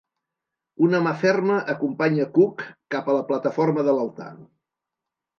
Una mà ferma acompanya Cook cap a la plataforma de l'altar.